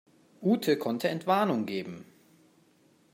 Ute konnte Entwarnung geben.